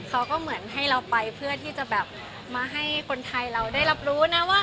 เขาก็เหมือนให้เราไปเพื่อที่จะแบบมาให้คนไทยเราได้รับรู้นะว่า